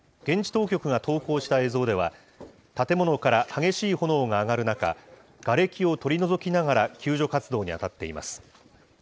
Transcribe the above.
現地当局が投稿した映像では、建物から激しい炎が上がる中、がれきを取り除きながら救助活動に当たっています。